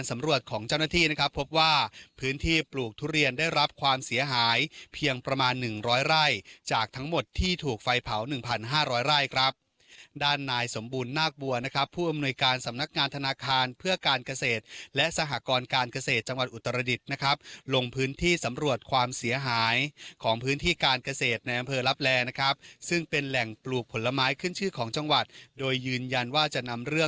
มา๑๐๐ไร่จากทั้งหมดที่ถูกไฟเผา๑๕๐๐ไร่ครับด้านนายสมบูรณ์นาคบัวนะครับผู้อำนวยการสำนักงานธนาคารเพื่อการเกษตรและสหกรการเกษตรจังหวัดอุตรดิตนะครับลงพื้นที่สำรวจความเสียหายของพื้นที่การเกษตรในอำเภอรับแลนะครับซึ่งเป็นแหล่งปลูกผลไม้ขึ้นชื่อของจังหวัดโดยยืนยันว่าจะนำเร